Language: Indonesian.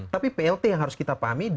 tapi plt yang harus kita pahami